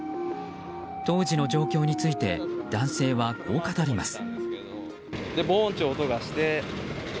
当時の状況について、男性はこう語ります。